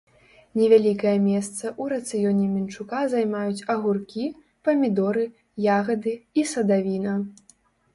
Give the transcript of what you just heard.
Невялікае месца ў рацыёне мінчука займаюць агуркі, памідоры, ягады і садавіна.